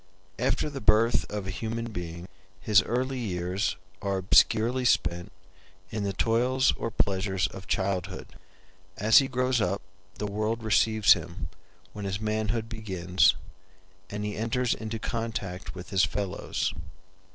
After the birth of a human being his early years are obscurely spent in the toils or pleasures of childhood. As he grows up the world receives him, when his manhood begins, and he enters into contact with his fellows.